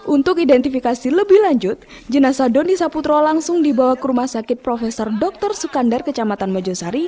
untuk identifikasi lebih lanjut jenazah doni saputro langsung dibawa ke rumah sakit prof dr sukandar kecamatan mojosari